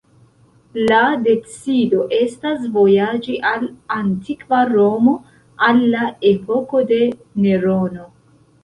La decido estas vojaĝi al antikva Romo, al la epoko de Nerono.